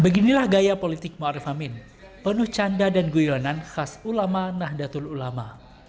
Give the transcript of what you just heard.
beginilah gaya politik ma'ruf amin penuh canda dan guyonan khas ulama nahdlatul ulama